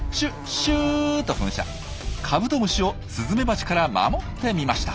カブトムシをスズメバチから守ってみました。